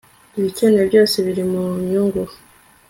ibikenewe byose biri mu nyungu